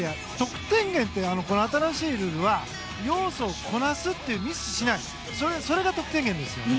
得点源って新しいルールは要素をこなす、ミスをしないそれが得点源ですよね？